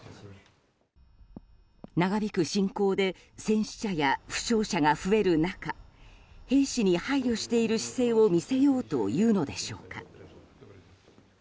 長引く侵攻で戦死者や負傷者が増える中兵士に配慮している姿勢を見せようというのでしょうか。